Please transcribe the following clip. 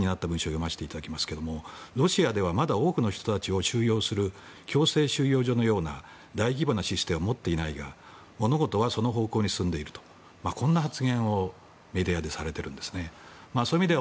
それからもう１つ気になった文章を読ませていただきますとロシアでは多くの人たちを収容する強制収容所のような大規模なシステムを持っていないが物事はその方向に進んでいるという発言をメディアでされているんです。